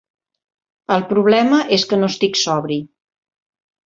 El problema és que no estic sobri.